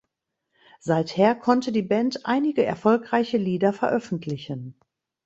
Seither konnte die Band einige erfolgreiche Lieder veröffentlichen.